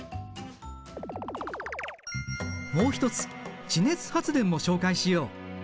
もう一つ地熱発電も紹介しよう。